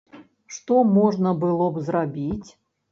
Што можна было б зрабіць?